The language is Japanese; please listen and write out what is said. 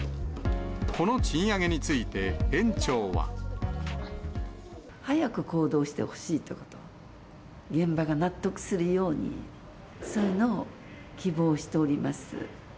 この賃上げについて園長は。早く行動してほしいということ、現場が納得するように、そういうのを希望しております。